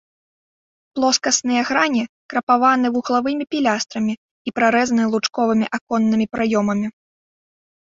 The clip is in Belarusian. Плоскасныя грані крапаваны вуглавымі пілястрамі і прарэзаны лучковымі аконнымі праёмамі.